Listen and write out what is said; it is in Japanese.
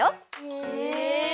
へえ！